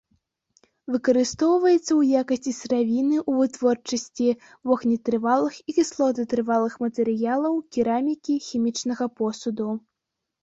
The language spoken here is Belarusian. Выкарыстоўваецца ў якасці сыравіны ў вытворчасці вогнетрывалых і кіслотатрывалых матэрыялаў, керамікі, хімічнага посуду.